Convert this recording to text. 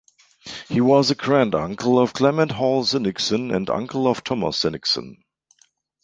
He was the granduncle of Clement Hall Sinnickson and uncle of Thomas Sinnickson.